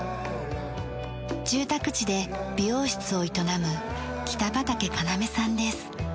住宅地で美容室を営む北畠要さんです。